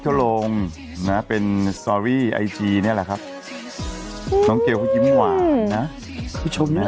โทรลงนะฮะเป็นเนี้ยแหละครับน้องเกียวเขายิ้มหวานนะคุณผู้ชมเนี้ย